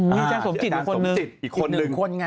อืมอาจารย์สมจิตอีกคนลึง